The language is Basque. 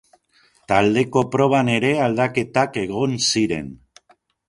Taldeko proban ere aldaketak egon ziren.